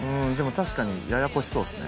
確かにややこしそうですね。